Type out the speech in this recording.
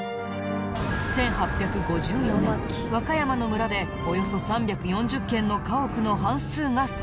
１８５４年和歌山の村でおよそ３４０軒の家屋の半数が損壊。